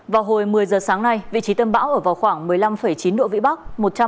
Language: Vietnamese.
vào hồi một mươi giờ sáng nay vị trí tâm bão ở vào khoảng một mươi năm chín độ vĩ bắc